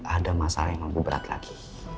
ada masalah yang lebih berat lagi